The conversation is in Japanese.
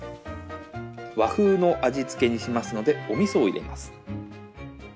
和風の味付けにしますのでおみそを入れます。